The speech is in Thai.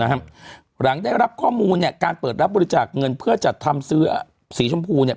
หลังได้รับข้อมูลเนี่ยการเปิดรับบริจาคเงินเพื่อจัดทำซื้อสีชมพูเนี่ย